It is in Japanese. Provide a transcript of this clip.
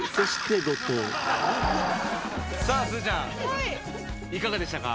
さあすずちゃんいかがでしたか？